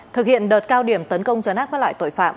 thực hiện đợt cao điểm tấn công cho nát với loại tội phạm